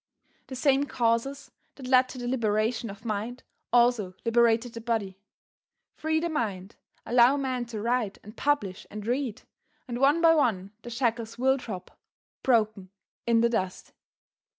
The same causes that led to the liberation of mind also liberated the body. Free the mind, allow men to write and publish and read, and one by one the shackles will drop, broken, in the dust.